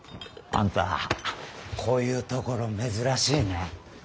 あんたこういう所珍しいね。